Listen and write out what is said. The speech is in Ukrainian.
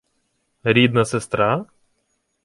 — Рідна сестра?